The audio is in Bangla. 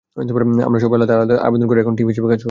আমরা সবাই আলাদা আলাদা আবেদন করে এখন টিম হিসেবে কাজ করছি।